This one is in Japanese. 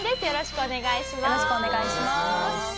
よろしくお願いします。